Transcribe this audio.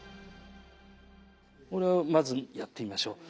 これをまずやってみましょう。